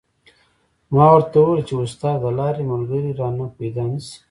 ما ورته و ویل چې استاده د لارې ملګری رانه پیدا نه شو.